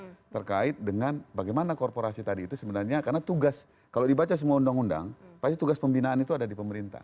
yang terkait dengan bagaimana korporasi tadi itu sebenarnya karena tugas kalau dibaca semua undang undang pasti tugas pembinaan itu ada di pemerintah